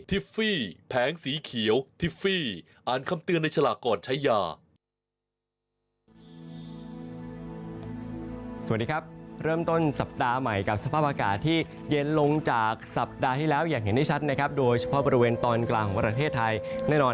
ทิฟฟี่แผงสีเขียวทิฟฟี่